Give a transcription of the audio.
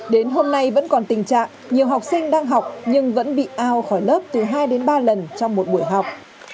đến hôm nay vẫn còn tình trạng nhiều học sinh đang học nhưng vẫn bị ao khỏi lớp từ hai đến ba lần trong một buổi học